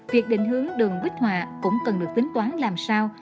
việc định hướng đường bích hòa cũng cần được tính toán làm sao